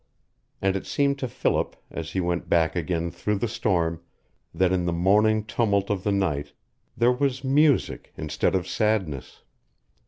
And it seemed to Philip, as he went back again through the storm, that in the moaning tumult of the night there was music instead of sadness.